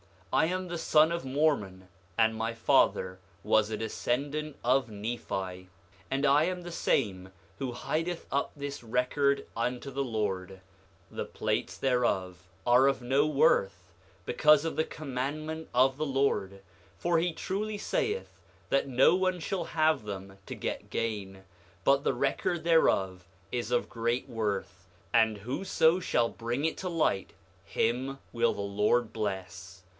I am the son of Mormon, and my father was a descendant of Nephi. 8:14 And I am the same who hideth up this record unto the Lord; the plates thereof are of no worth, because of the commandment of the Lord. For he truly saith that no one shall have them to get gain; but the record thereof is of great worth; and whoso shall bring it to light, him will the Lord bless.